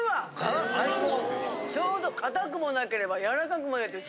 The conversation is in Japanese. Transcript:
ちょうど硬くもなければやらかくもないっていう